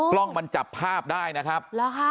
กล้องมันจับภาพได้นะครับ